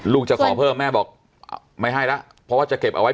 จะขอเพิ่มแม่บอกไม่ให้แล้วเพราะว่าจะเก็บเอาไว้